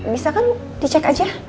bisa kan dicek aja